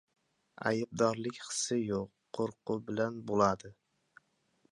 aybdorlik hissi yoki qo‘rquv bilan bo‘ladi